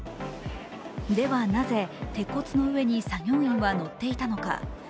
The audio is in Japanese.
ではなぜ、鉄骨の上に作業員は乗っていたのか。